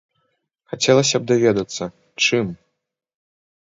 Хацелася б даведацца, чым?